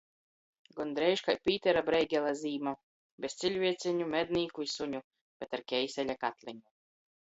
Gondreiž kai Pītera Breigela zīma. Bez ciļvieceņu, mednīku i suņu, bet ar keiseļa katleņu.